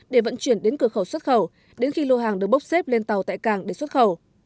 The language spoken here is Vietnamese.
để vận chuyển đến cửa khẩu xuất khẩu đến khi lô hàng được bốc xếp lên tàu tại cảng để xuất khẩu